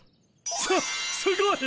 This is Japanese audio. すすごい！